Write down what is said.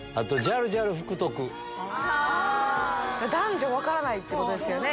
男女分からないってことですね